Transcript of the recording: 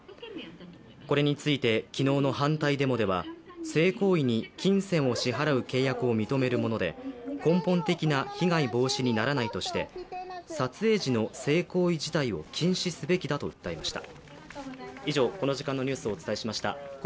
これについて昨日の反対デモでは性行為に金銭を支払う契約を認めるもので根本的な被害防止にはならないとして撮影時の性行為自体を禁止すべきだと訴えました。